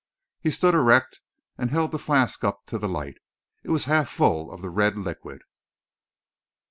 He stood erect and held the flask up to the light. It was half full of the red liquid.